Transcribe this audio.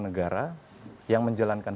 negara yang menjalankan